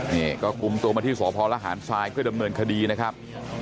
นี่ก็คุมตัวมาที่สพลหารทรายเพื่อดำเนินคดีนะครับ